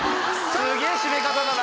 すげぇ締め方だな。